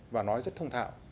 và nói rất thông thạo